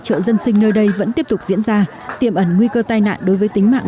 chợ dân sinh nơi đây vẫn tiếp tục diễn ra tiềm ẩn nguy cơ tai nạn đối với tính mạng